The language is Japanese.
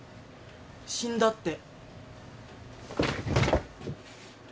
死んだって。